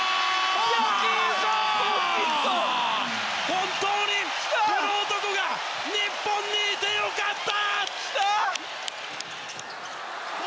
本当に、この男が日本にいてよかった！